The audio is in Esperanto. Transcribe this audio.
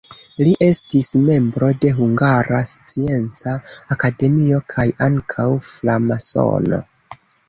Li estis membro de Hungara Scienca Akademio kaj ankaŭ framasono.